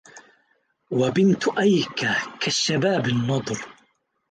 وبنت أيك كالشباب النضر